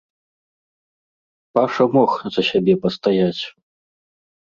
Паша мог за сябе пастаяць.